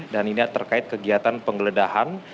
dan ini terkait kegiatan penggeledahan